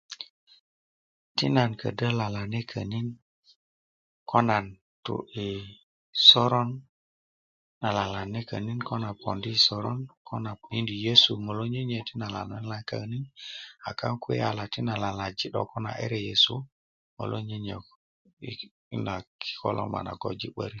ti nan kodo lalane konin ko nan tu i soron lalane konin ko nan ponda i soron ti nan lalane konin ko nan mindi nyesi lele ŋo ti nan lalane konin a kokuwe yala 'dok ti do kodo a ere nyesu ŋo lonyenyi i lo a kiko lo nan gaji 'börki